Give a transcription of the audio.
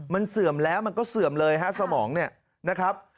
มันเสื่อมแล้วมันก็เสื่อมเลยฮะสมองเนี่ยนะครับ